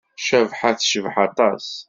Cabḥa tecbeḥ aṭas.